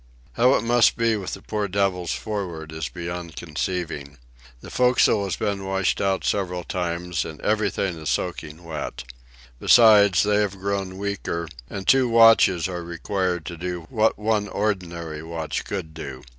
How it must be with the poor devils for'ard is beyond conceiving. The forecastle has been washed out several times, and everything is soaking wet. Besides, they have grown weaker, and two watches are required to do what one ordinary watch could do.